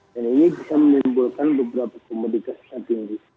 dan ini bisa menimbulkan beberapa komoditas yang tinggi